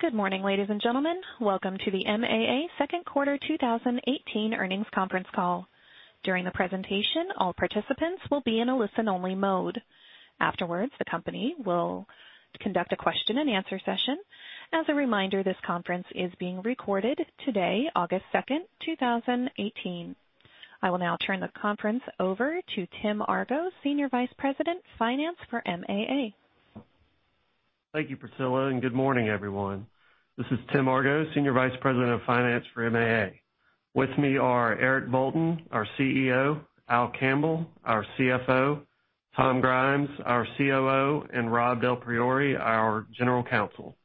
Good morning, ladies and gentlemen. Welcome to the MAA second quarter 2018 earnings conference call. During the presentation, all participants will be in a listen-only mode. Afterwards, the company will conduct a question and answer session. As a reminder, this conference is being recorded today, August 2nd, 2018. I will now turn the conference over to Tim Argo, Senior Vice President, Finance for MAA. Thank you, Priscilla, and good morning, everyone. This is Tim Argo, Senior Vice President of Finance for MAA. With me are Eric Bolton, our CEO, Al Campbell, our CFO, Tom Grimes, our COO, and Rob Del Priore, our General Counsel.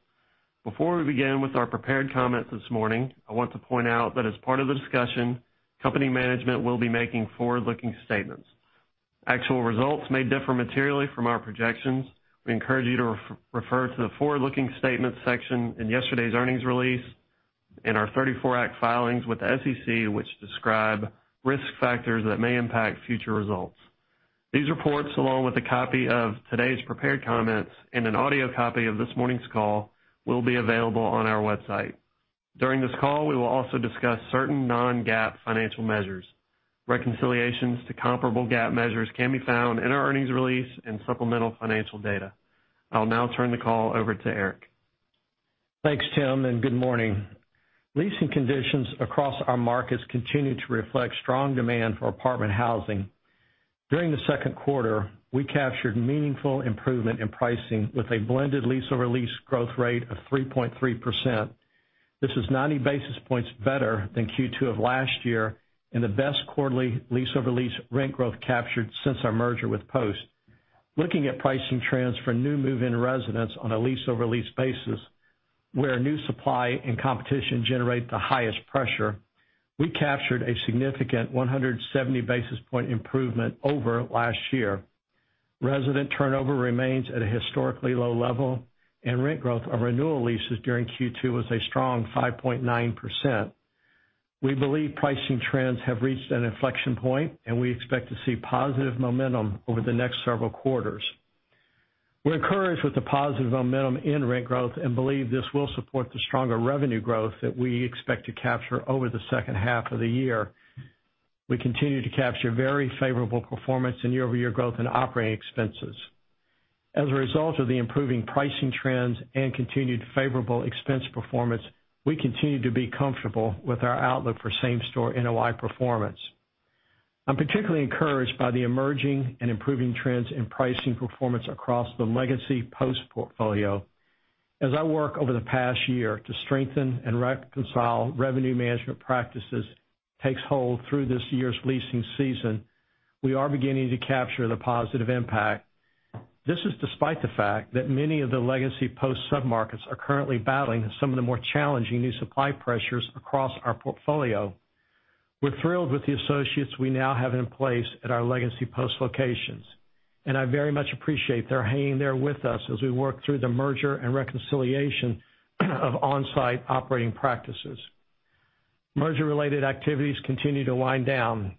Before we begin with our prepared comments this morning, I want to point out that as part of the discussion, company management will be making forward-looking statements. Actual results may differ materially from our projections. We encourage you to refer to the forward-looking statements section in yesterday's earnings release and our '34 Act filings with the SEC, which describe risk factors that may impact future results. These reports, along with a copy of today's prepared comments and an audio copy of this morning's call will be available on our website. During this call, we will also discuss certain non-GAAP financial measures. Reconciliations to comparable GAAP measures can be found in our earnings release and supplemental financial data. I'll now turn the call over to Eric. Thanks, Tim, and good morning. Leasing conditions across our markets continue to reflect strong demand for apartment housing. During the second quarter, we captured meaningful improvement in pricing with a blended lease-over-lease growth rate of 3.3%. This is 90 basis points better than Q2 of last year and the best quarterly lease-over-lease rent growth captured since our merger with Post. Looking at pricing trends for new move-in residents on a lease-over-lease basis, where new supply and competition generate the highest pressure, we captured a significant 170 basis point improvement over last year. Resident turnover remains at a historically low level, and rent growth of renewal leases during Q2 was a strong 5.9%. We believe pricing trends have reached an inflection point, and we expect to see positive momentum over the next several quarters. We're encouraged with the positive momentum in rent growth and believe this will support the stronger revenue growth that we expect to capture over the second half of the year. We continue to capture very favorable performance in year-over-year growth and operating expenses. Resulting from the improving pricing trends and continued favorable expense performance, we continue to be comfortable with our outlook for same-store NOI performance. I'm particularly encouraged by the emerging and improving trends in pricing performance across the legacy Post portfolio. Our work over the past year to strengthen and reconcile revenue management practices takes hold through this year's leasing season, we are beginning to capture the positive impact. This is despite the fact that many of the legacy Post submarkets are currently battling some of the more challenging new supply pressures across our portfolio. We're thrilled with the associates we now have in place at our legacy Post locations, I very much appreciate their hanging there with us as we work through the merger and reconciliation of on-site operating practices. Merger-related activities continue to wind down.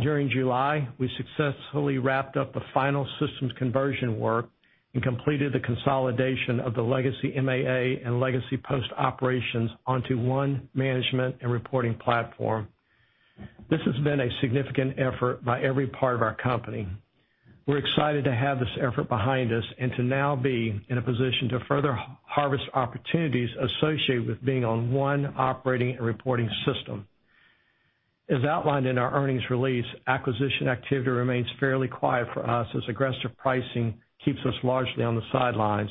During July, we successfully wrapped up the final systems conversion work and completed the consolidation of the legacy MAA and legacy Post operations onto one management and reporting platform. This has been a significant effort by every part of our company. We're excited to have this effort behind us and to now be in a position to further harvest opportunities associated with being on one operating and reporting system. Outlined in our earnings release, acquisition activity remains fairly quiet for us as aggressive pricing keeps us largely on the sidelines.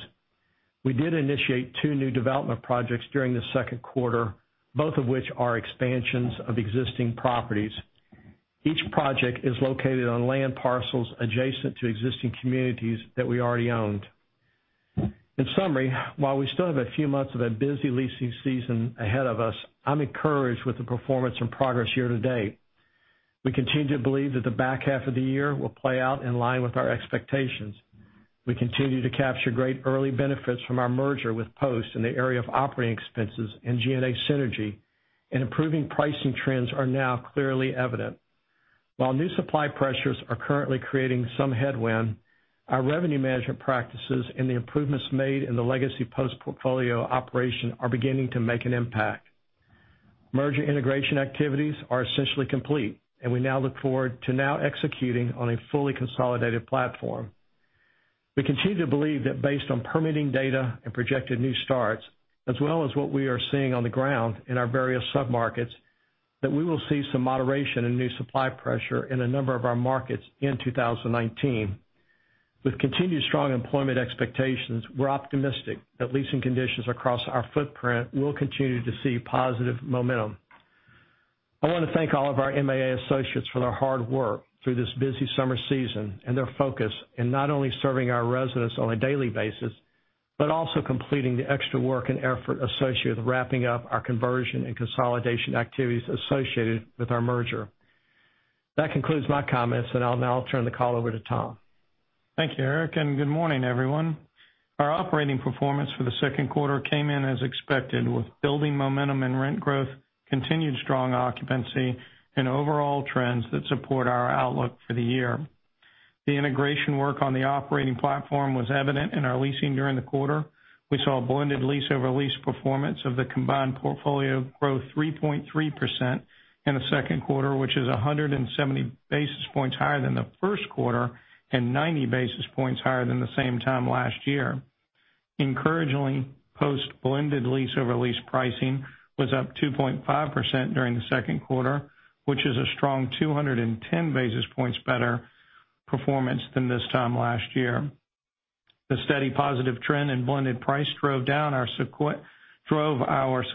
We did initiate 2 new development projects during the second quarter, both of which are expansions of existing properties. Each project is located on land parcels adjacent to existing communities that we already owned. In summary, while we still have a few months of a busy leasing season ahead of us, I'm encouraged with the performance and progress year-to-date. We continue to believe that the back half of the year will play out in line with our expectations. We continue to capture great early benefits from our merger with Post in the area of operating expenses and G&A synergy, improving pricing trends are now clearly evident. New supply pressures are currently creating some headwind, our revenue management practices and the improvements made in the legacy Post-portfolio operation are beginning to make an impact. Merger integration activities are essentially complete, we now look forward to now executing on a fully consolidated platform. We continue to believe that based on permitting data and projected new starts, as well as what we are seeing on the ground in our various submarkets, that we will see some moderation in new supply pressure in a number of our markets in 2019. With continued strong employment expectations, we're optimistic that leasing conditions across our footprint will continue to see positive momentum. I want to thank all of our MAA associates for their hard work through this busy summer season and their focus in not only serving our residents on a daily basis, also completing the extra work and effort associated with wrapping up our conversion and consolidation activities associated with our merger. That concludes my comments, I'll now turn the call over to Tom. Thank you, Eric, and good morning, everyone. Our operating performance for the second quarter came in as expected, with building momentum and rent growth, continued strong occupancy and overall trends that support our outlook for the year. The integration work on the operating platform was evident in our leasing during the quarter. We saw a blended lease-over-lease performance of the combined portfolio grow 3.3% in the second quarter, which is 170 basis points higher than the first quarter and 90 basis points higher than the same time last year. Encouragingly, Post blended lease-over-lease pricing was up 2.5% during the second quarter, which is a strong 210 basis points better performance than this time last year. The steady positive trend in blended price drove our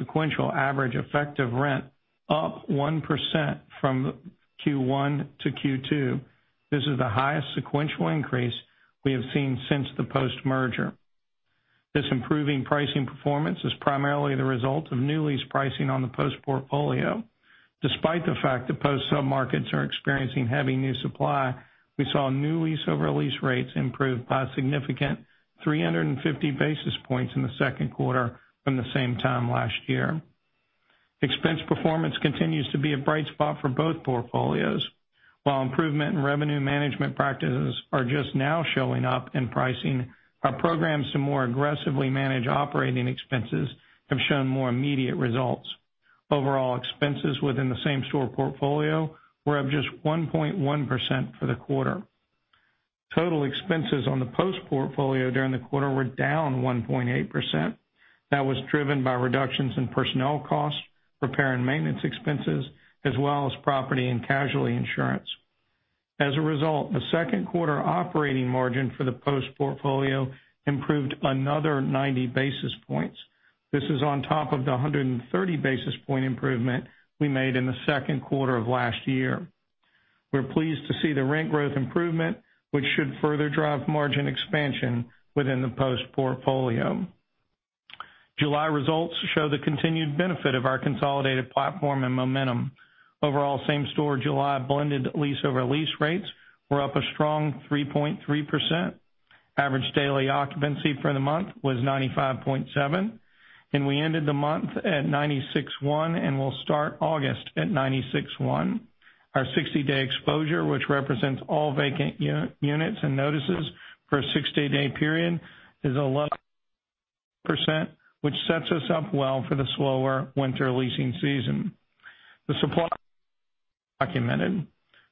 sequential average effective rent up 1% from Q1 to Q2. This is the highest sequential increase we have seen since the Post merger. This improving pricing performance is primarily the result of new lease pricing on the Post portfolio. Despite the fact that Post sub-markets are experiencing heavy new supply, we saw new lease-over-lease rates improve by a significant 350 basis points in the second quarter from the same time last year. Expense performance continues to be a bright spot for both portfolios. While improvement in revenue management practices are just now showing up in pricing, our programs to more aggressively manage operating expenses have shown more immediate results. Overall expenses within the same-store portfolio were up just 1.1% for the quarter. Total expenses on the Post portfolio during the quarter were down 1.8%. That was driven by reductions in personnel costs, repair and maintenance expenses, as well as property and casualty insurance. As a result, the second quarter operating margin for the Post portfolio improved another 90 basis points. This is on top of the 130 basis point improvement we made in the second quarter of last year. We're pleased to see the rent growth improvement, which should further drive margin expansion within the Post portfolio. July results show the continued benefit of our consolidated platform and momentum. Overall same-store July blended lease-over-lease rates were up a strong 3.3%. Average daily occupancy for the month was 95.7%, and we ended the month at 96.1% and will start August at 96.1%. Our 60-day exposure, which represents all vacant units and notices for a 60-day period, is 11%, which sets us up well for the slower winter leasing season. The supply documented.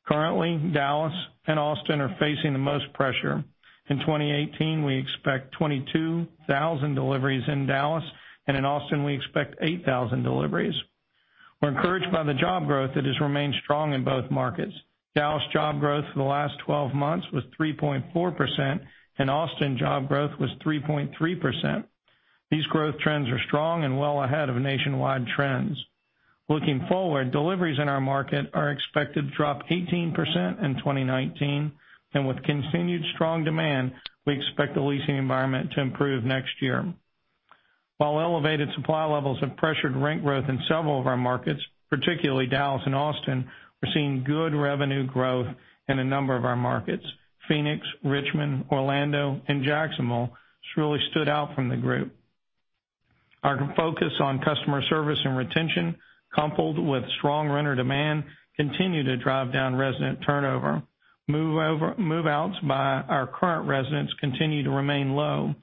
Currently, Dallas and Austin are facing the most pressure. In 2018, we expect 22,000 deliveries in Dallas, and in Austin, we expect 8,000 deliveries. We're encouraged by the job growth that has remained strong in both markets. Dallas job growth for the last 12 months was 3.4%, and Austin job growth was 3.3%. These growth trends are strong and well ahead of nationwide trends. Looking forward, deliveries in our market are expected to drop 18% in 2019, and with continued strong demand, we expect the leasing environment to improve next year. While elevated supply levels have pressured rent growth in several of our markets, particularly Dallas and Austin, we're seeing good revenue growth in a number of our markets. Phoenix, Richmond, Orlando, and Jacksonville has really stood out from the group. Our focus on customer service and retention, coupled with strong renter demand, continue to drive down resident turnover. Move-outs by our current residents continue to remain low.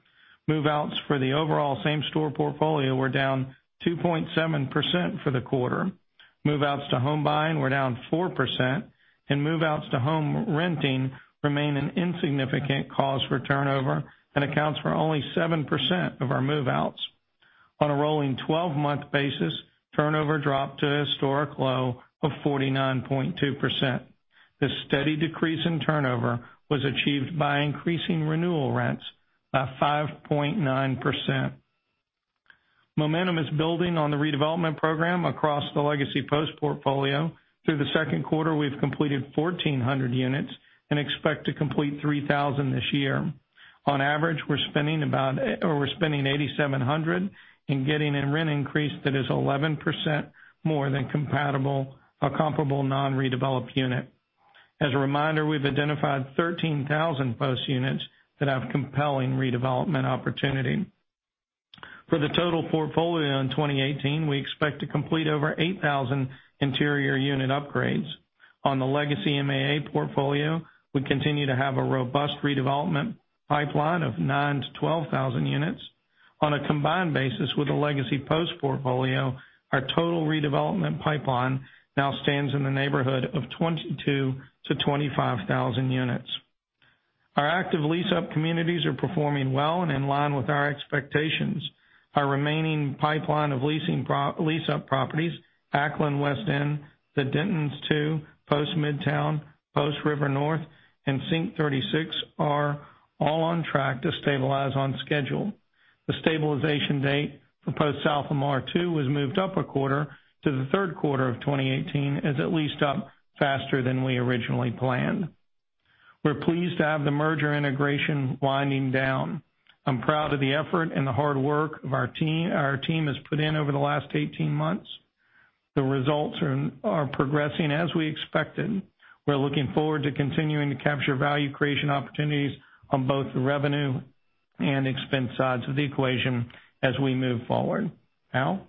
Move-outs for the overall same-store portfolio were down 2.7% for the quarter. Move-outs to home buying were down 4%, and move-outs to home renting remain an insignificant cause for turnover and accounts for only 7% of our move-outs. On a rolling 12-month basis, turnover dropped to a historic low of 49.2%. This steady decrease in turnover was achieved by increasing renewal rents by 5.9%. Momentum is building on the redevelopment program across the legacy Post portfolio. Through the second quarter, we've completed 1,400 units and expect to complete 3,000 this year. On average, we're spending $8,700 and getting a rent increase that is 11% more than a comparable non-redeveloped unit. As a reminder, we've identified 13,000 Post units that have compelling redevelopment opportunity. For the total portfolio in 2018, we expect to complete over 8,000 interior unit upgrades. On the legacy MAA portfolio, we continue to have a robust redevelopment pipeline of 9,000-12,000 units. On a combined basis with the legacy Post portfolio, our total redevelopment pipeline now stands in the neighborhood of 22,000-25,000 units. Our active lease-up communities are performing well and in line with our expectations. Our remaining pipeline of lease-up properties, Acklen West End, The Denton II, Post Midtown, MAA River North, and Sync36 are all on track to stabilize on schedule. The stabilization date for MAA South Lamar II was moved up a quarter to the third quarter of 2018 as it leased up faster than we originally planned. We're pleased to have the merger integration winding down. I'm proud of the effort and the hard work our team has put in over the last 18 months. The results are progressing as we expected. We're looking forward to continuing to capture value creation opportunities on both the revenue and expense sides of the equation as we move forward. Al?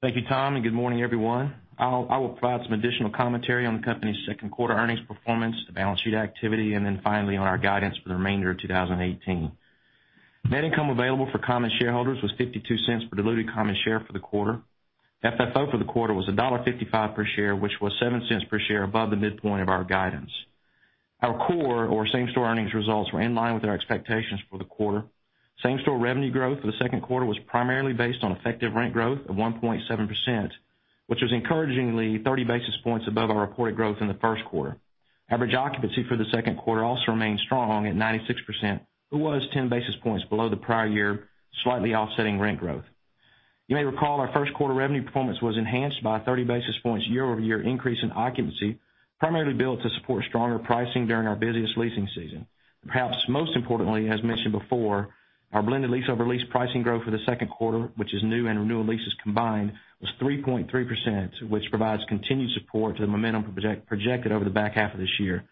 Thank you, Tom, and good morning, everyone. I will provide some additional commentary on the company's second quarter earnings performance, the balance sheet activity, and then finally on our guidance for the remainder of 2018. Net income available for common shareholders was $0.52 per diluted common share for the quarter. FFO for the quarter was $1.55 per share, which was $0.07 per share above the midpoint of our guidance. Our core or same-store earnings results were in line with our expectations for the quarter. Same-store revenue growth for the second quarter was primarily based on effective rent growth of 1.7%, which was encouragingly 30 basis points above our reported growth in the first quarter. Average occupancy for the second quarter also remained strong at 96%, but was 10 basis points below the prior year, slightly offsetting rent growth. You may recall our Q1 revenue performance was enhanced by 30 basis points year-over-year increase in occupancy, primarily built to support stronger pricing during our busiest leasing season. Perhaps most importantly, as mentioned before, our blended lease-over-lease pricing growth for the Q2, which is new and renewal leases combined, was 3.3%, which provides continued support to the momentum projected over the back half of this year.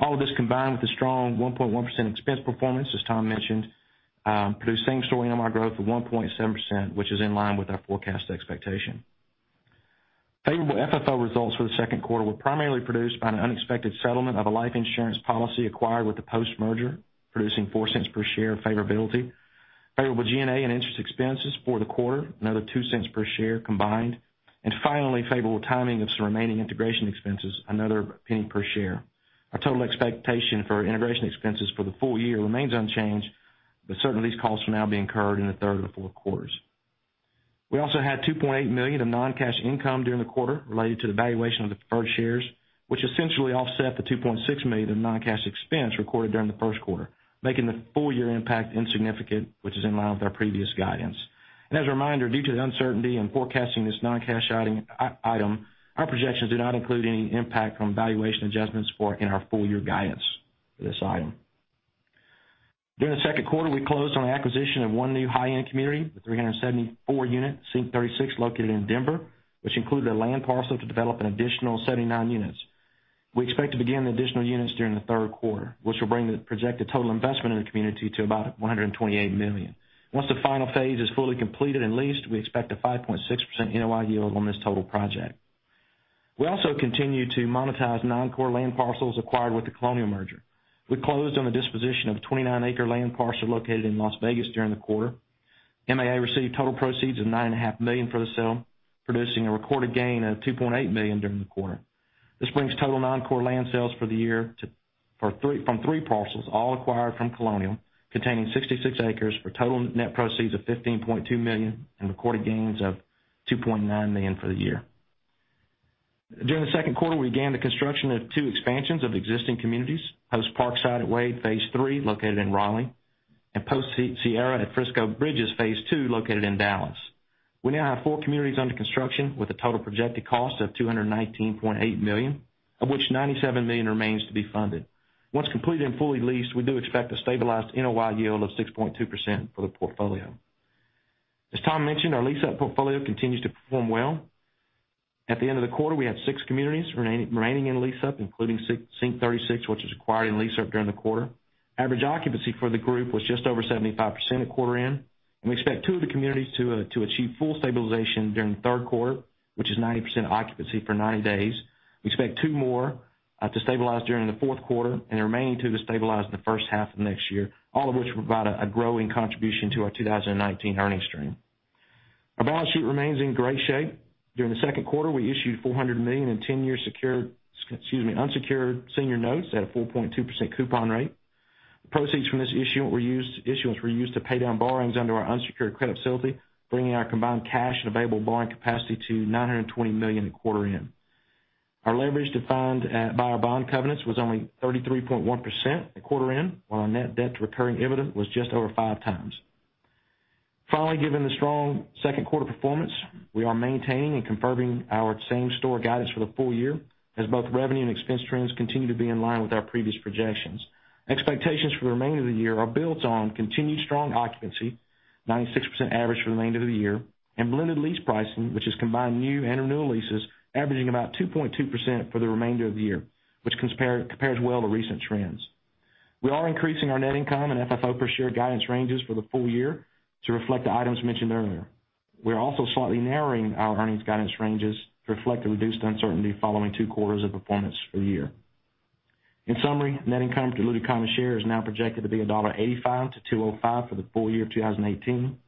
All of this combined with a strong 1.1% expense performance, as Tom mentioned, produced same-store NOI growth of 1.7%, which is in line with our forecast expectation. Favorable FFO results for the Q2 were primarily produced by an unexpected settlement of a life insurance policy acquired with the Post merger, producing $0.04 per share of favorability. Favorable G&A and interest expenses for the quarter, another $0.02 per share combined. Finally, favorable timing of some remaining integration expenses, another $0.01 per share. Our total expectation for integration expenses for the full year remains unchanged, but certainly these costs will now be incurred in the Q3 and Q4. We also had $2.8 million of non-cash income during the quarter related to the valuation of the deferred shares, which essentially offset the $2.6 million of non-cash expense recorded during the Q1, making the full-year impact insignificant, which is in line with our previous guidance. As a reminder, due to the uncertainty in forecasting this non-cash item, our projections do not include any impact from valuation adjustments in our full-year guidance for this item. During the Q2, we closed on the acquisition of one new high-end community with 374 units, Sync36, located in Denver, which included a land parcel to develop an additional 79 units. We expect to begin the additional units during the Q3, which will bring the projected total investment in the community to about $128 million. Once the final phase is fully completed and leased, we expect a 5.6% NOI yield on this total project. We also continue to monetize non-core land parcels acquired with the Colonial merger. We closed on the disposition of a 29-acre land parcel located in Las Vegas during the quarter. MAA received total proceeds of $9.5 million for the sale, producing a recorded gain of $2.8 million during the quarter. This brings total non-core land sales for the year from three parcels, all acquired from Colonial, containing 66 acres for total net proceeds of $15.2 million and recorded gains of $2.9 million for the year. During the Q2, we began the construction of two expansions of existing communities, Post Parkside at Wade Phase III, located in Raleigh, and Post Sierra at Frisco Bridges Phase II, located in Dallas. We now have four communities under construction with a total projected cost of $219.8 million, of which $97 million remains to be funded. Once completed and fully leased, we do expect a stabilized NOI yield of 6.2% for the portfolio. As Tom mentioned, our lease-up portfolio continues to perform well. At the end of the quarter, we had six communities remaining in lease-up, including Sync36, which was acquired in lease-up during the quarter. Average occupancy for the group was just over 75% at quarter end, and we expect two of the communities to achieve full stabilization during the Q3, which is 90% occupancy for 90 days. We expect two more to stabilize during the fourth quarter and the remaining two to stabilize in the first half of next year. All of which provide a growing contribution to our 2019 earnings stream. Our balance sheet remains in great shape. During the second quarter, we issued $400 million in 10-year unsecured senior notes at a 4.2% coupon rate. The proceeds from this issuance were used to pay down borrowings under our unsecured credit facility, bringing our combined cash and available borrowing capacity to $920 million at quarter end. Our leverage defined by our bond covenants was only 33.1% at quarter end, while our net debt to recurring EBITDA was just over 5x. Given the strong second quarter performance, we are maintaining and confirming our same-store guidance for the full year, as both revenue and expense trends continue to be in line with our previous projections. Expectations for the remainder of the year are built on continued strong occupancy, 96% average for the remainder of the year, and blended lease pricing, which has combined new and renewal leases averaging about 2.2% for the remainder of the year, which compares well to recent trends. We are increasing our net income and FFO per share guidance ranges for the full year to reflect the items mentioned earlier. We are also slightly narrowing our earnings guidance ranges to reflect the reduced uncertainty following two quarters of performance for the year. Net income diluted common share is now projected to be $1.85-$2.05 for the full year of 2018.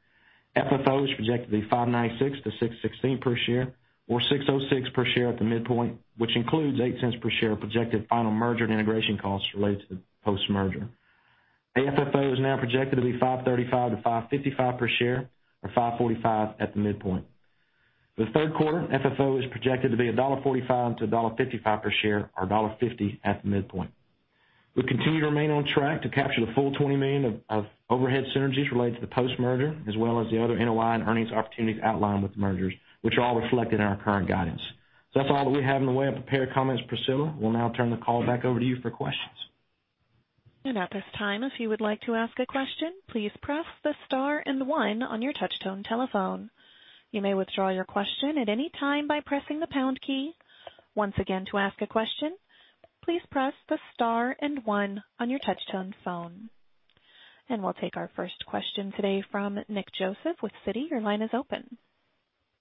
FFO is projected to be $5.96-$6.16 per share, or $6.06 per share at the midpoint, which includes $0.08 per share of projected final merger and integration costs related to the Post merger. AFFO is now projected to be $5.35-$5.55 per share, or $5.45 at the midpoint. For the third quarter, FFO is projected to be $1.45-$1.55 per share, or $1.50 at the midpoint. We continue to remain on track to capture the full $20 million of overhead synergies related to the Post merger, as well as the other NOI and earnings opportunities outlined with the mergers, which are all reflected in our current guidance. So that's all that we have in the way of prepared comments. Priscilla, we'll now turn the call back over to you for questions. At this time, if you would like to ask a question, please press the star and one on your touchtone telephone. You may withdraw your question at any time by pressing the pound key. Once again, to ask a question, please press the star and one on your touchtone phone. We'll take our first question today from Nick Joseph with Citi. Your line is open.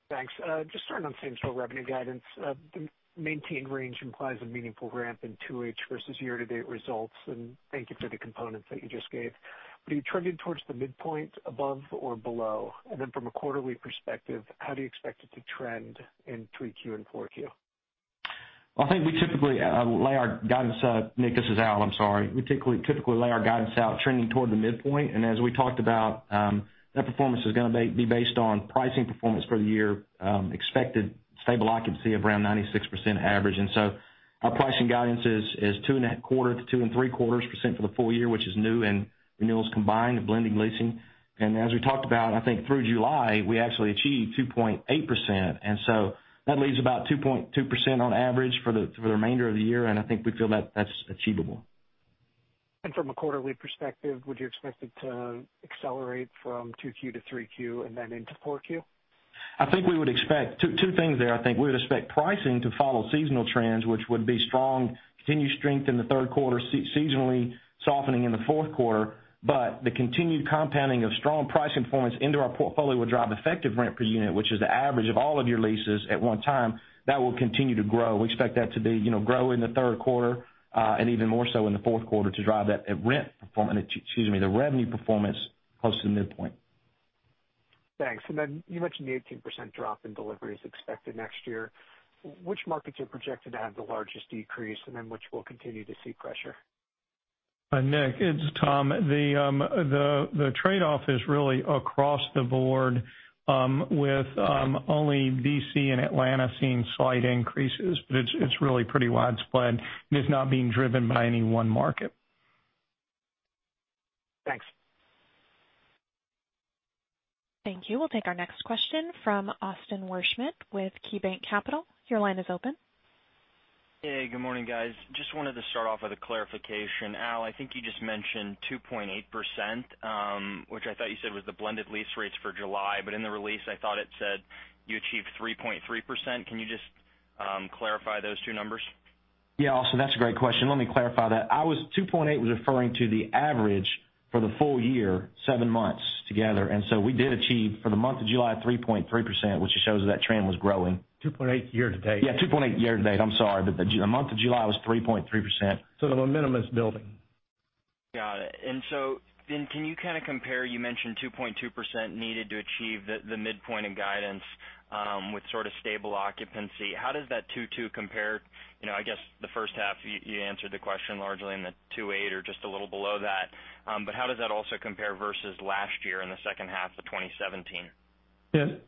Thanks. Just starting on same-store revenue guidance. The maintained range implies a meaningful ramp in 2H versus year-to-date results. Thank you for the components that you just gave. Are you trending towards the midpoint above or below? From a quarterly perspective, how do you expect it to trend in 3Q and 4Q? Well, Nick, this is Al, I'm sorry. We typically lay our guidance out trending toward the midpoint. As we talked about, that performance is going to be based on pricing performance for the year, expected stable occupancy of around 96% average. Our pricing guidance is 2.25%-2.75% for the full year, which is new and renewals combined, blending leasing. As we talked about, I think through July, we actually achieved 2.8%. That leaves about 2.2% on average for the remainder of the year, and I think we feel that's achievable. From a quarterly perspective, would you expect it to accelerate from 2Q to 3Q and then into 4Q? Two things there. I think we would expect pricing to follow seasonal trends, which would be strong, continued strength in the third quarter, seasonally softening in the fourth quarter. The continued compounding of strong price influence into our portfolio would drive effective rent per unit, which is the average of all of your leases at one time. That will continue to grow. We expect that to grow in the third quarter, and even more so in the fourth quarter to drive the revenue performance close to the midpoint. Thanks. You mentioned the 18% drop in deliveries expected next year. Which markets are projected to have the largest decrease, and then which will continue to see pressure? Nick, it's Tom. The trade-off is really across the board, with only D.C. and Atlanta seeing slight increases. It's really pretty widespread and is not being driven by any one market. Thanks. Thank you. We'll take our next question from Austin Wurschmidt with KeyBanc Capital. Your line is open. Hey, good morning, guys. Just wanted to start off with a clarification. Al, I think you just mentioned 2.8%, which I thought you said was the blended lease rates for July, but in the release, I thought it said you achieved 3.3%. Can you just clarify those two numbers? Austin, that's a great question. Let me clarify that. 2.8 was referring to the average for the full year, seven months together. We did achieve, for the month of July, 3.3%, which shows that trend was growing. 2.8 year-to-date. Yeah, 2.8 year-to-date. I'm sorry. The month of July was 3.3%. The momentum is building. Got it. Can you kind of compare, you mentioned 2.2% needed to achieve the midpoint in guidance, with sort of stable occupancy. How does that 2.2% compare, I guess the first half, you answered the question largely in the 2.8% or just a little below that. How does that also compare versus last year in the second half of 2017?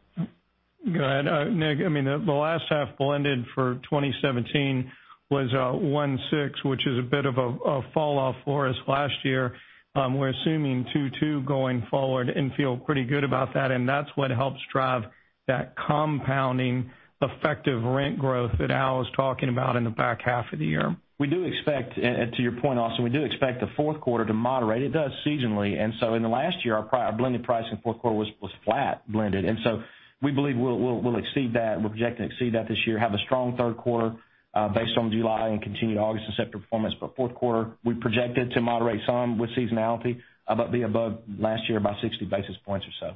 Go ahead, Nick. The last half blended for 2017 was 1.6%, which is a bit of a falloff for us last year. We're assuming 2.2% going forward and feel pretty good about that, and that's what helps drive that compounding effective rent growth that Al is talking about in the back half of the year. To your point, Austin, we do expect the fourth quarter to moderate. It does seasonally, in the last year, our blended price in fourth quarter was flat blended. We believe we'll exceed that. We're projecting to exceed that this year, have a strong third quarter, based on July, and continue August and September performance. Fourth quarter, we projected to moderate some with seasonality, but be above last year by 60 basis points or so.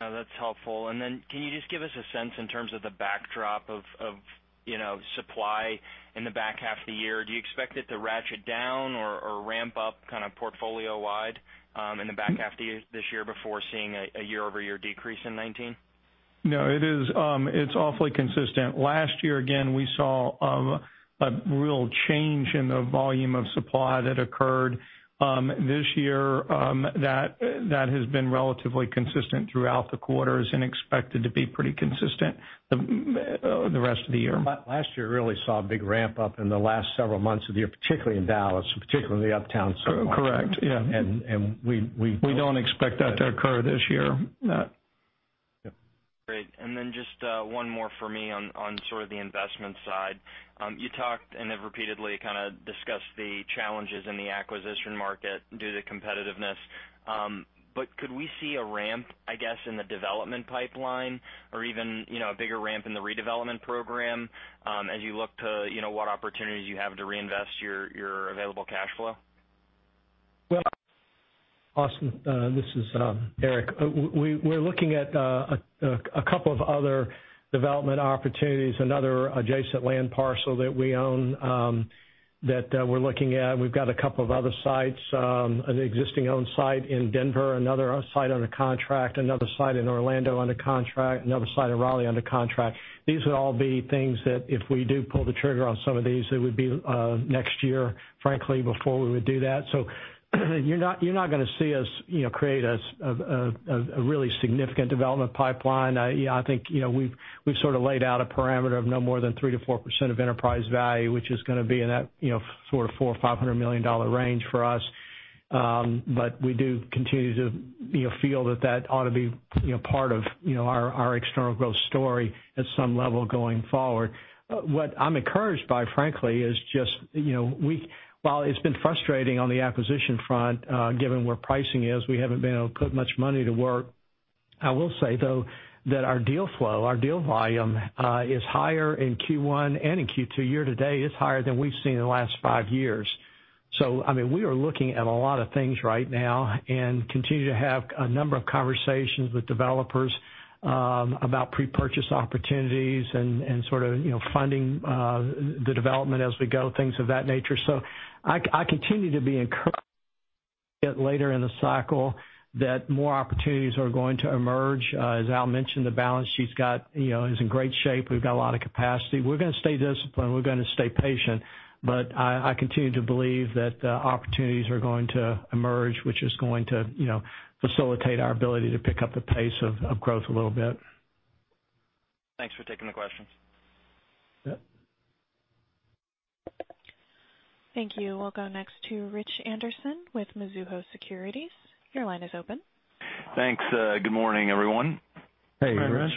No, that's helpful. Can you just give us a sense in terms of the backdrop of supply in the back half of the year? Do you expect it to ratchet down or ramp up kind of portfolio-wide in the back half this year before seeing a year-over-year decrease in 2019? No, it's awfully consistent. Last year, again, we saw a real change in the volume of supply that occurred. This year, that has been relatively consistent throughout the quarters and expected to be pretty consistent the rest of the year. Last year really saw a big ramp up in the last several months of the year, particularly in Dallas, particularly uptown. Correct. Yeah. And we- We don't expect that to occur this year. No. Yeah. Great. Just one more for me on sort of the investment side. You talked and have repeatedly kind of discussed the challenges in the acquisition market due to competitiveness. Could we see a ramp, I guess, in the development pipeline or even a bigger ramp in the redevelopment program, as you look to what opportunities you have to reinvest your available cash flow? Austin, this is Eric. We're looking at a couple of other development opportunities, another adjacent land parcel that we own, that we're looking at. We've got a couple of other sites, an existing owned site in Denver, another site under contract, another site in Orlando under contract, another site in Raleigh under contract. These would all be things that if we do pull the trigger on some of these, it would be next year, frankly, before we would do that. You're not going to see us create a really significant development pipeline. I think we've sort of laid out a parameter of no more than 3%-4% of enterprise value, which is going to be in that sort of $400 or $500 million range for us. We do continue to feel that that ought to be part of our external growth story at some level going forward. What I'm encouraged by, frankly, is just while it's been frustrating on the acquisition front, given where pricing is, we haven't been able to put much money to work. I will say, though, that our deal flow, our deal volume is higher in Q1 and in Q2 year-to-date is higher than we've seen in the last five years. We are looking at a lot of things right now and continue to have a number of conversations with developers about pre-purchase opportunities and sort of funding the development as we go, things of that nature. I continue to be encouraged later in the cycle that more opportunities are going to emerge. As Al mentioned, the balance sheet is in great shape. We've got a lot of capacity. We're going to stay disciplined, we're going to stay patient. I continue to believe that the opportunities are going to emerge, which is going to facilitate our ability to pick up the pace of growth a little bit. Thanks for taking the questions. Yeah. Thank you. We'll go next to Rich Anderson with Mizuho Securities. Your line is open. Thanks. Good morning, everyone. Hey, Rich.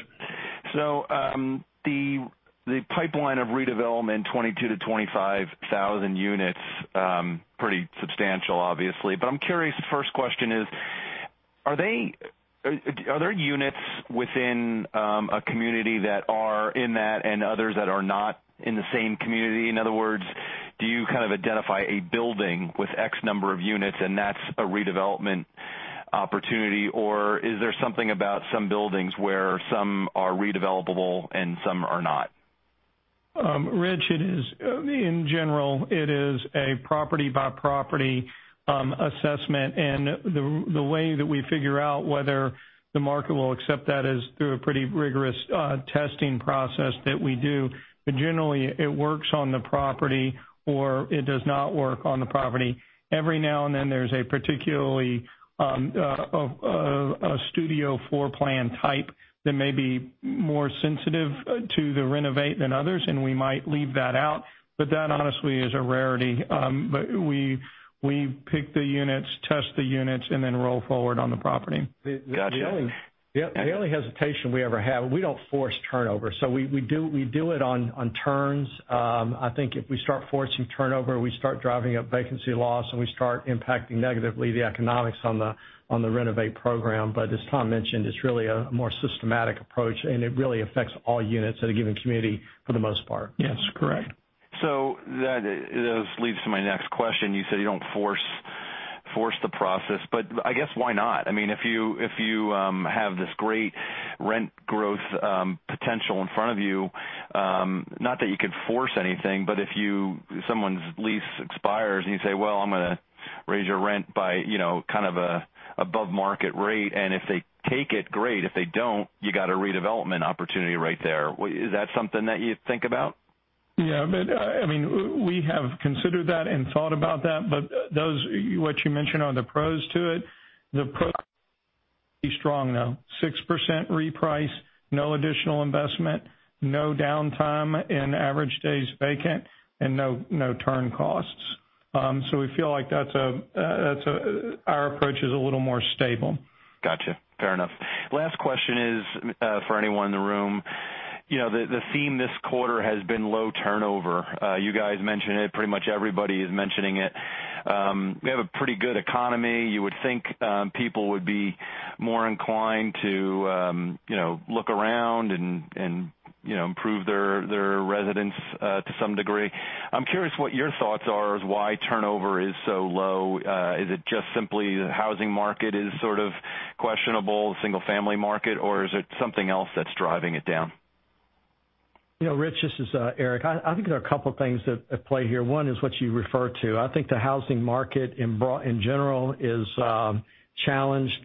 The pipeline of redevelopment, 22,000-25,000 units, pretty substantial, obviously. I'm curious, the first question is, are there units within a community that are in that and others that are not in the same community? In other words, do you kind of identify a building with X number of units and that's a redevelopment opportunity, or is there something about some buildings where some are redevelopable and some are not? Rich, in general, it is a property-by-property assessment. The way that we figure out whether the market will accept that is through a pretty rigorous testing process that we do. Generally, it works on the property, or it does not work on the property. Every now and then, there's a studio floor plan type that may be more sensitive to the renovate than others, and we might leave that out, but that honestly is a rarity. We pick the units, test the units, and then roll forward on the property. Got you. The only hesitation we ever have, we don't force turnover. We do it on turns. I think if we start forcing turnover, we start driving up vacancy loss, and we start impacting negatively the economics on the renovate program. As Tom mentioned, it's really a more systematic approach, and it really affects all units at a given community for the most part. Yes, correct. That leads to my next question. You said you don't force the process, I guess, why not? If you have this great rent growth potential in front of you, not that you could force anything, if someone's lease expires, and you say, "Well, I'm going to raise your rent by kind of above market rate." If they take it, great. If they don't, you got a redevelopment opportunity right there. Is that something that you think about? Yeah. We have considered that and thought about that, those, what you mentioned, are the pros to it. The pros be strong, though. 6% reprice, no additional investment, no downtime in average days vacant, and no turn costs. We feel like our approach is a little more stable. Got you. Fair enough. Last question is for anyone in the room. The theme this quarter has been low turnover. You guys mentioned it, pretty much everybody is mentioning it. We have a pretty good economy. You would think people would be more inclined to look around and improve their residence to some degree. I'm curious what your thoughts are as why turnover is so low. Is it just simply the housing market is sort of questionable, single-family market, or is it something else that's driving it down? Rich, this is Eric. I think there are a couple things at play here. One is what you refer to. I think the housing market in general is challenged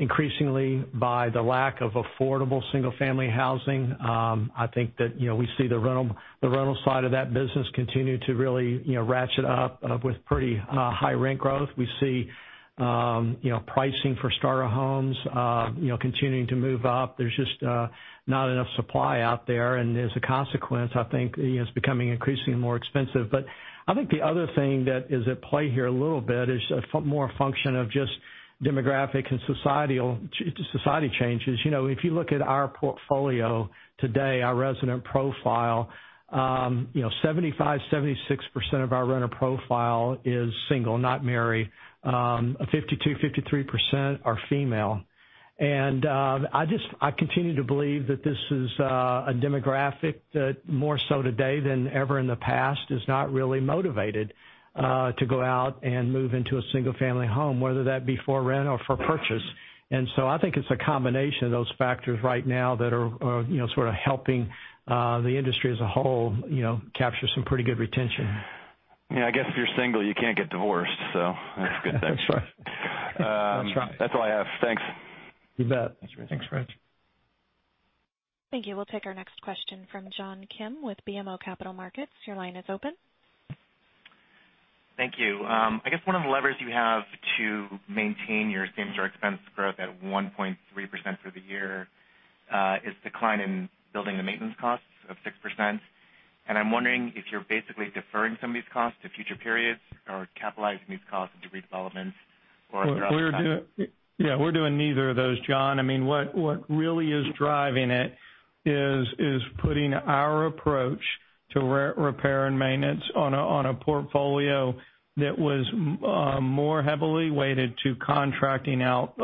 increasingly by the lack of affordable single-family housing. I think that we see the rental side of that business continue to really ratchet up with pretty high rent growth. We see pricing for starter homes continuing to move up. There's just not enough supply out there. As a consequence, I think it's becoming increasingly more expensive. I think the other thing that is at play here a little bit is more a function of just demographic and society changes. If you look at our portfolio today, our resident profile, 75%, 76% of our renter profile is single, not married. 52%, 53% are female. I continue to believe that this is a demographic that more so today than ever in the past, is not really motivated to go out and move into a single-family home, whether that be for rent or for purchase. I think it's a combination of those factors right now that are sort of helping the industry as a whole capture some pretty good retention. Yeah, I guess if you're single, you can't get divorced. That's a good thing. That's right. That's all I have. Thanks. You bet. Thanks, Rich. Thank you. We'll take our next question from John Kim with BMO Capital Markets. Your line is open. Thank you. I guess one of the levers you have to maintain your same-store expense growth at 1.3% for the year is decline in building and maintenance costs of 6%. I'm wondering if you're basically deferring some of these costs to future periods or capitalizing these costs into redevelopments. Yeah, we're doing neither of those, John. What really is driving it is putting our approach to repair and maintenance on a portfolio that was more heavily weighted to contracting out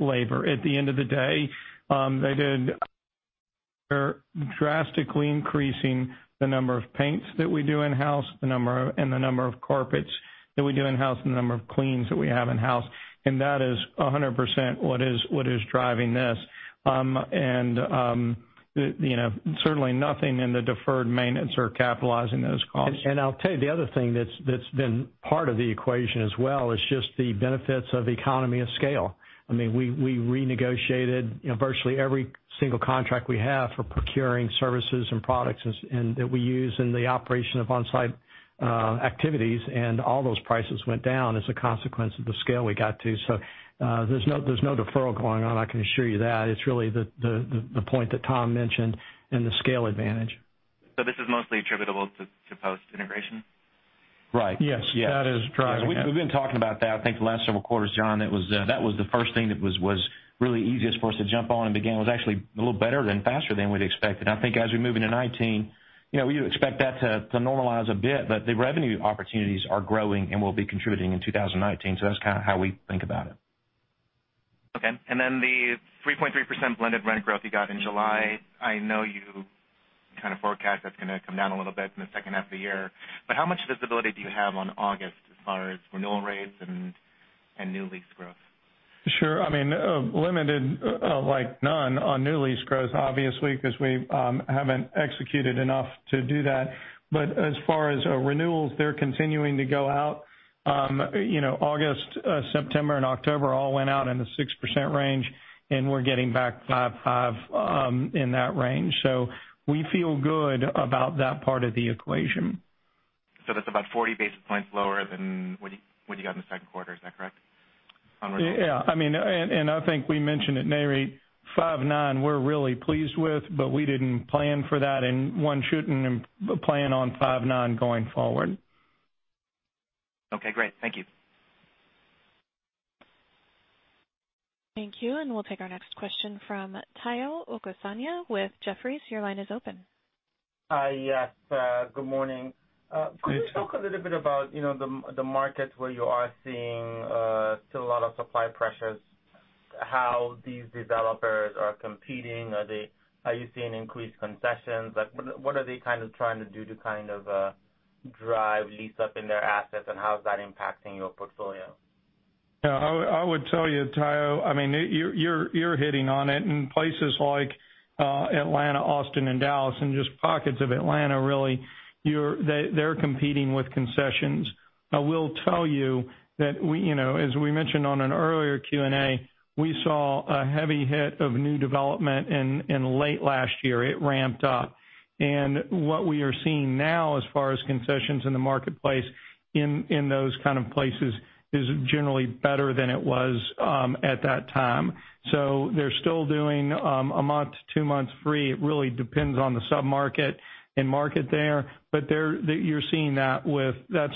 labor. At the end of the day, they did drastically increasing the number of paints that we do in-house, and the number of carpets that we do in-house, and the number of cleans that we have in-house, and that is 100% what is driving this. Certainly nothing in the deferred maintenance or capitalizing those costs. I'll tell you the other thing that's been part of the equation as well, is just the benefits of economy of scale. We renegotiated virtually every single contract we have for procuring services and products that we use in the operation of on-site activities, all those prices went down as a consequence of the scale we got to. There's no deferral going on, I can assure you that. It's really the point that Tom mentioned and the scale advantage. This is mostly attributable to post-integration? Right. Yes. That is driving it. We've been talking about that, I think the last several quarters, John. That was the first thing that was really easiest for us to jump on and begin, was actually a little better and faster than we'd expected. I think as we move into 2019, we expect that to normalize a bit. The revenue opportunities are growing and will be contributing in 2019, that's kind of how we think about it. Okay. The 3.3% blended rent growth you got in July, I know you kind of forecast that's going to come down a little bit in the second half of the year. How much visibility do you have on August, as far as renewal rates and new lease growth? Sure. Limited, like none on new lease growth, obviously, because we haven't executed enough to do that. As far as renewals, they're continuing to go out. August, September, and October all went out in the 6% range, and we're getting back five in that range. We feel good about that part of the equation. That's about 40 basis points lower than what you got in the second quarter. Is that correct on renewals? Yeah. I think we mentioned at NAREIT 5.9, we're really pleased with, but we didn't plan for that in one shoot and plan on 5.9 going forward. Okay, great. Thank you. Thank you. We'll take our next question from Omotayo Okusanya with Jefferies. Your line is open. Hi. Yes, good morning. Good morning. Could you talk a little bit about the markets where you are seeing still a lot of supply pressures, how these developers are competing? Are you seeing increased concessions? What are they kind of trying to do to kind of drive lease up in their assets, and how is that impacting your portfolio? Yeah. I would tell you, Tayo, you're hitting on it in places like Atlanta, Austin, and Dallas, and just pockets of Atlanta, really, they're competing with concessions. I will tell you that as we mentioned on an earlier Q&A, we saw a heavy hit of new development in late last year. It ramped up. What we are seeing now as far as concessions in the marketplace in those kind of places, is generally better than it was at that time. They're still doing a month to two months free. It really depends on the sub-market and market there, but you're seeing that's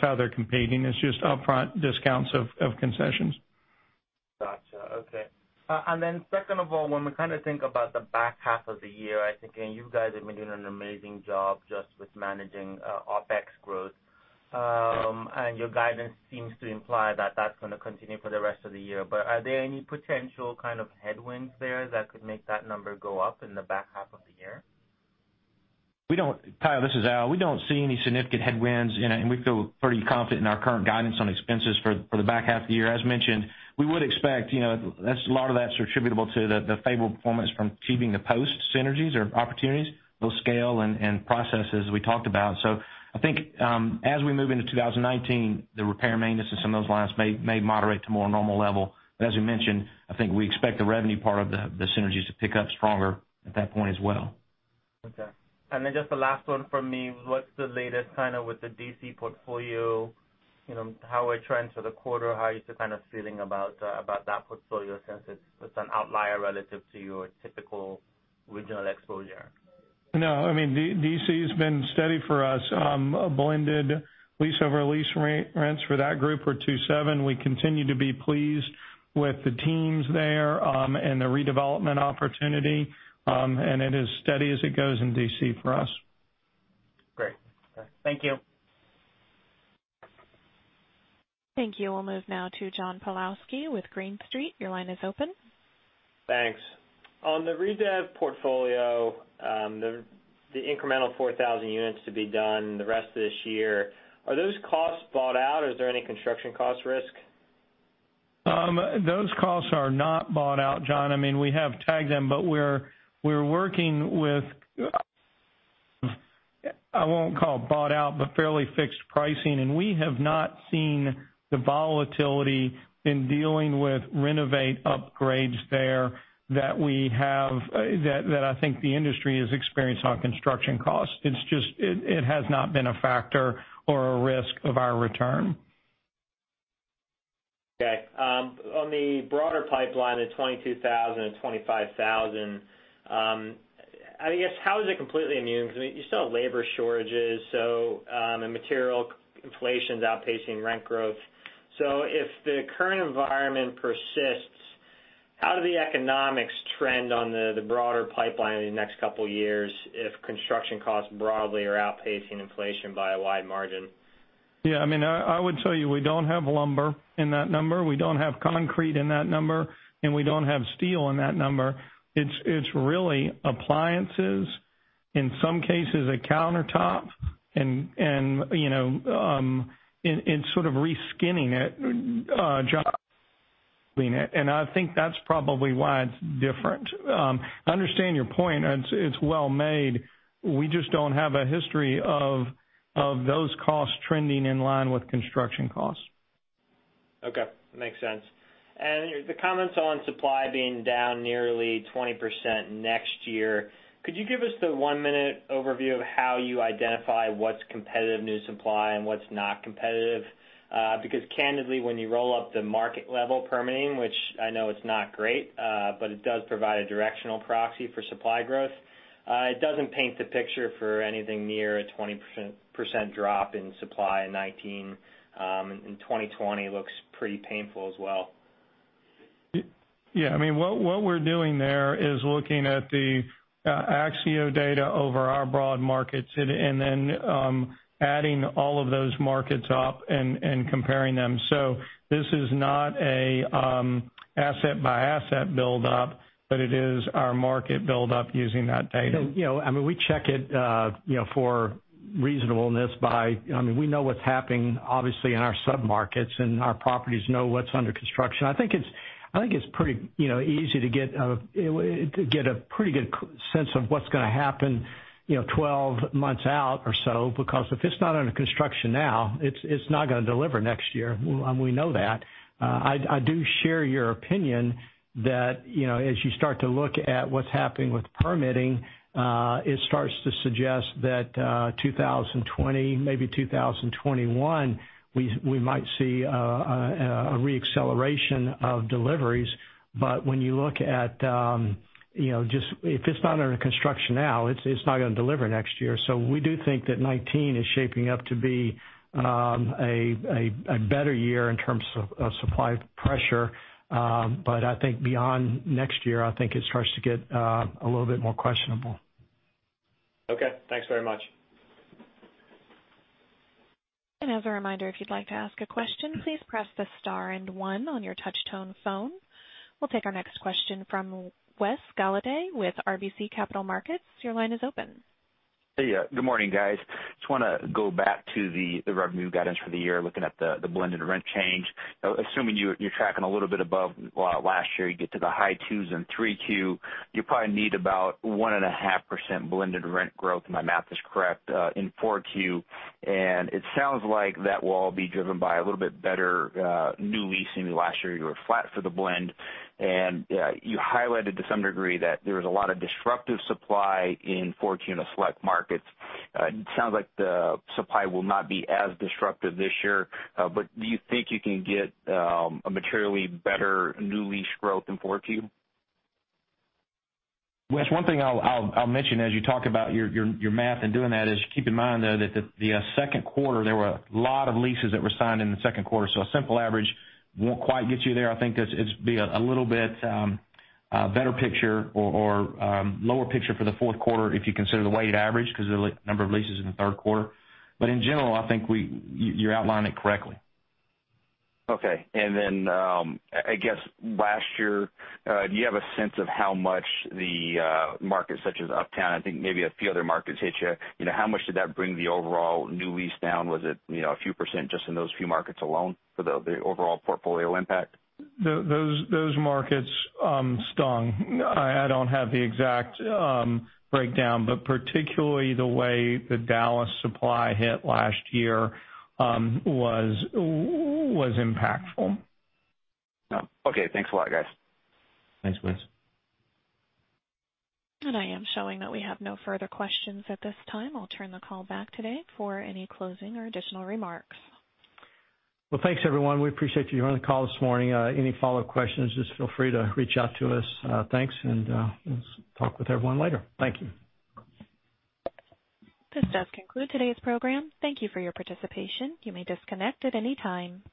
how they're competing. It's just upfront discounts of concessions. Got you. Okay. Second of all, when we kind of think about the back half of the year, I think, you guys have been doing an amazing job just with managing OpEx growth. Your guidance seems to imply that that's going to continue for the rest of the year. Are there any potential kind of headwinds there that could make that number go up in the back half of the year? Tayo, this is Al. We don't see any significant headwinds, and we feel pretty confident in our current guidance on expenses for the back half of the year. As mentioned, we would expect a lot of that's attributable to the favorable performance from keeping the Post synergies or opportunities, those scale and processes we talked about. I think as we move into 2019, the repair and maintenance in some of those lines may moderate to more normal level. As we mentioned, I think we expect the revenue part of the synergies to pick up stronger at that point as well. Okay. Just the last one from me. What's the latest kind of with the D.C. portfolio? How are trends for the quarter? How are you kind of feeling about that portfolio since it's an outlier relative to your typical regional exposure? No, D.C.'s been steady for us. Blended lease over lease rents for that group were 2.7%. We continue to be pleased with the teams there, and the redevelopment opportunity, and it is steady as it goes in D.C. for us. Great. Okay. Thank you. Thank you. We'll move now to John Pawlowski with Green Street. Your line is open. Thanks. On the redev portfolio, the incremental 4,000 units to be done the rest of this year, are those costs bought out, or is there any construction cost risk? Those costs are not bought out, John. We have tagged them, but we're working with, I won't call bought out, but fairly fixed pricing, and we have not seen the volatility in dealing with renovate upgrades there that I think the industry has experienced on construction costs. It has not been a factor or a risk of our return. Okay. On the broader pipeline of 22,000 and 25,000, I guess, how is it completely immune? You still have labor shortages, and material inflation's outpacing rent growth. If the current environment persists, how do the economics trend on the broader pipeline in the next couple of years if construction costs broadly are outpacing inflation by a wide margin? Yeah. I would tell you, we don't have lumber in that number, we don't have concrete in that number, and we don't have steel in that number. It's really appliances, in some cases, a countertop, and sort of re-skinning it, John, and I think that's probably why it's different. I understand your point, it's well-made. We just don't have a history of those costs trending in line with construction costs. Okay. Makes sense. The comments on supply being down nearly 20% next year, could you give us the one-minute overview of how you identify what's competitive new supply and what's not competitive? Candidly, when you roll up the market-level permitting, which I know it's not great, but it does provide a directional proxy for supply growth, it doesn't paint the picture for anything near a 20% drop in supply in 2019. 2020 looks pretty painful as well. Yeah. What we're doing there is looking at the Axiometrics data over our broad markets, and then adding all of those markets up and comparing them. This is not an asset-by-asset buildup, but it is our market buildup using that data. We check it for reasonableness. We know what's happening, obviously, in our sub-markets, and our properties know what's under construction. I think it's pretty easy to get a pretty good sense of what's going to happen 12 months out or so, because if it's not under construction now, it's not going to deliver next year, and we know that. I do share your opinion that as you start to look at what's happening with permitting, it starts to suggest that 2020, maybe 2021, we might see a re-acceleration of deliveries. When you look at if it's not under construction now, it's not going to deliver next year. We do think that 2019 is shaping up to be a better year in terms of supply pressure. I think beyond next year, I think it starts to get a little bit more questionable. Okay. Thanks very much. As a reminder, if you'd like to ask a question, please press the star and one on your touch-tone phone. We'll take our next question from Wes Golladay with RBC Capital Markets. Your line is open. Hey. Good morning, guys. Just want to go back to the revenue guidance for the year, looking at the blended rent change. Assuming you're tracking a little bit above last year, you get to the high 2s in Q3. You probably need about 1.5% blended rent growth, if my math is correct, in Q4. It sounds like that will all be driven by a little bit better new leasing. Last year, you were flat for the blend. You highlighted to some degree that there was a lot of disruptive supply in Q4 in a select market. It sounds like the supply will not be as disruptive this year. Do you think you can get a materially better new lease growth in Q4? Wes, one thing I'll mention as you talk about your math in doing that is, keep in mind, though, that the second quarter, there were a lot of leases that were signed in the second quarter. A simple average won't quite get you there. I think it'd be a little bit better picture or lower picture for the fourth quarter if you consider the weighted average, because of the number of leases in the third quarter. In general, I think you're outlining correctly. Okay. I guess last year, do you have a sense of how much the markets such as Uptown, I think maybe a few other markets hit you. How much did that bring the overall new lease down? Was it a few percent just in those few markets alone for the overall portfolio impact? Those markets stung. I don't have the exact breakdown, but particularly the way the Dallas supply hit last year was impactful. Okay. Thanks a lot, guys. Thanks, Wes. I am showing that we have no further questions at this time. I'll turn the call back to you for any closing or additional remarks. Well, thanks, everyone. We appreciate you on the call this morning. Any follow-up questions, just feel free to reach out to us. Thanks, and we'll talk with everyone later. Thank you. This does conclude today's program. Thank you for your participation. You may disconnect at any time.